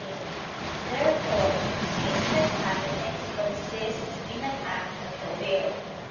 Therefore it seems that happiness consists in an act of the will.